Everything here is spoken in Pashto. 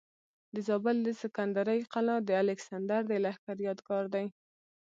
د زابل د سکندرۍ قلا د الکسندر د لښکر یادګار دی